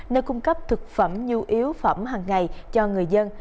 nơi cung cấp thực phẩm nhu yếu phẩm hàng ngày cho người dân